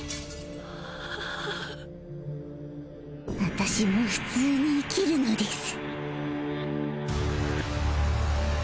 私も普通に生きるのです。